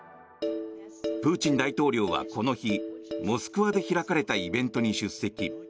プーチン大統領はこの日モスクワで開かれたイベントに出席。